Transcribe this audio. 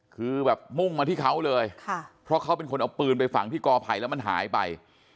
คือแบบมุ่งมาที่เขาเลยเพราะเขาเป็นคนเอาปืนไปฝังที่กอไผ่แล้วมันหายไป